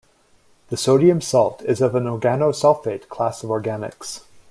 The sodium salt is of an organosulfate class of organics.